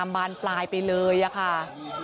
บานปลายไปเลยอะค่ะ